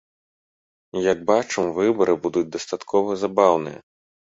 Як бачым, выбары будуць дастаткова забаўныя.